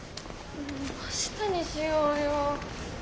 明日にしようよ。